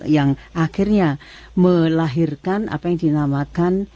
yang akhirnya melahirkan apa yang dinamakan